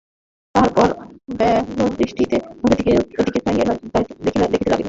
তাহার পর ব্যগ্রদৃষ্টিতে ঘরের এদিক-ওদিক চাহিয়া দেখিতে লাগিল।